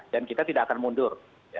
dan kita tidak akan mundur